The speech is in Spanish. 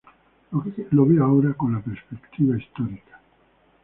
Lo veo ahora con la perspectiva histórica.